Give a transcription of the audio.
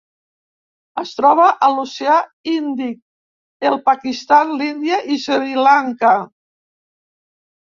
Es troba a l'Oceà Índic: el Pakistan, l'Índia i Sri Lanka.